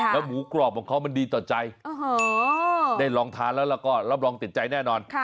แล้วหมูกรอบของเขามันดีต่อใจได้ลองทานแล้วแล้วก็รับรองติดใจแน่นอน